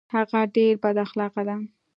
هغه ډیر بد اخلاقه ده